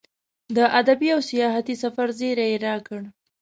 د ادبي او سیاحتي سفر زیری یې راکړ.